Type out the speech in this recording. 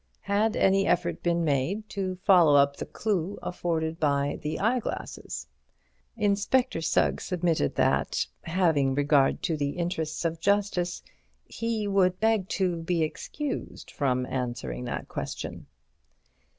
Had any effort been made to follow up the clue afforded by the eyeglasses? Inspector Sugg submitted that, having regard to the interests of justice, he would beg to be excused from answering that question.